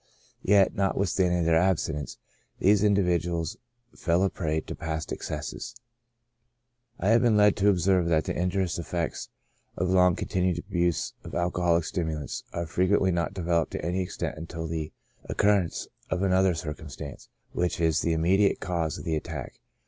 Yet, notwithstanding their abstinence, these individ uals fell a prey to past excesses. I have been led to observe that the injurious effects of the long continued abuse of alcoholic stimulants, are fre quently not developed to any extent until the occurrence of another circumstance, which is the immediate cause of the attack.